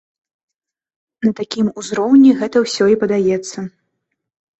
На такім узроўні гэта ўсё і падаецца.